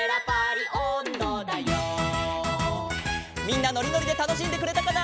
みんなのりのりでたのしんでくれたかな？